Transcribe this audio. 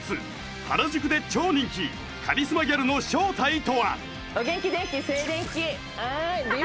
原宿で超人気カリスマギャルの正体とはあーいでぃ